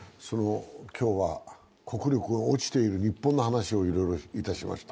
今日は国力が落ちている日本の話をいろいろしました。